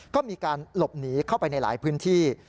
ก็มีการหลบหนีเข้าไปในหลายพื้นที่